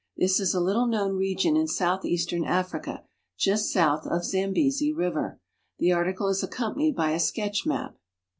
This is a little known region in southeastern Africa, just south of Zambesi river. The article is accompanied by a sketch map.